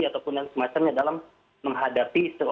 atau semacamnya dalam menghadapi